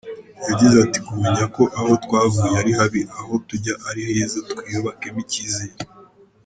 Yagize ati "Kumenya ko aho twavuye ari habi aho tujya ari heza twiyubakemo icyizere.